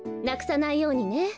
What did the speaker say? なくさないようにね。